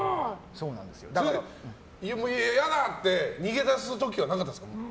嫌だ！って逃げ出す時はなかったですか？